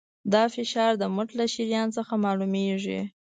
دا فشار د مټ له شریان څخه معلومېږي.